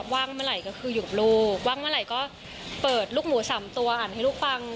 ว่างเมื่อไหร่ก็เปิดลูกหมูสามตัวอ่านให้ลูกฟัง